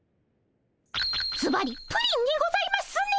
ずばりプリンにございますね。